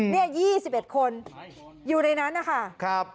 เนี่ยยี่สิบเอ็ดคนอยู่ในนั้นนะคะครับ